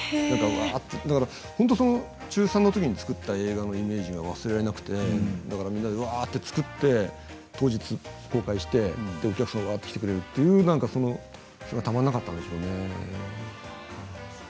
本当に中３のときに作った映画のイメージが忘れられなくてみんなで、うわあっと作って当時、公開してお客さんが来てくれるというそれがたまんなかったんでしょう